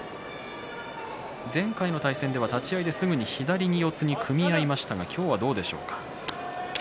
前回の対戦では立ち合いですぐに左四つに組み合いましたが今日はどうでしょうか。